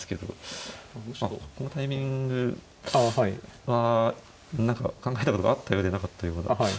このタイミングは何か考えたことがあったようでなかったような。